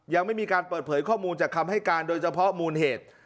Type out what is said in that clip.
ยังไม่มีการเปิดเผยข้อมูลจากคำให้การโดยเฉพาะมูลเหตุ